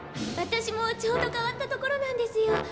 私もちょうど代わったところなんですよ。